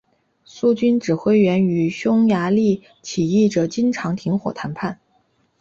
苏军指挥员与匈牙利起义者经常停火谈判。